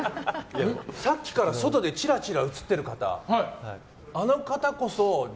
さっきから外でちらちら映ってる方どの方？